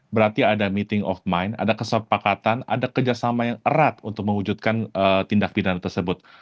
berarti ada meeting of mind ada kesepakatan ada kerjasama yang erat untuk mewujudkan tindak pidana tersebut